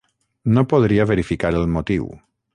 No podria verificar el motiu.